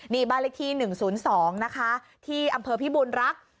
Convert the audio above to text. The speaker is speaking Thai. นี่บ้านเลขที่๑๐๒นะคะที่อำเภอพิบูรณรักษ์